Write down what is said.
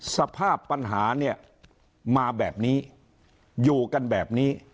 สภาพปัญหาเนี่ยมาแบบนี้อยู่กันแบบนี้